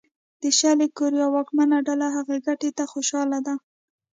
د شلي کوریا واکمنه ډله هغې ګټې ته خوشاله ده.